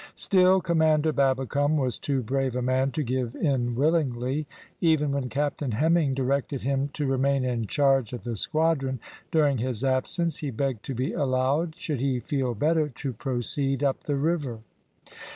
Still Commander Babbicome was too brave a man to give in willingly. Even when Captain Hemming directed him to remain in charge of the squadron during his absence, he begged to be allowed, should he feel better, to proceed up the river.